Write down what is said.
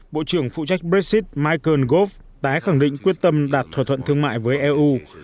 bộ trưởng phụ trách brexit michael gove tái khẳng định quyết tâm đạt thỏa thuận thương mại với eu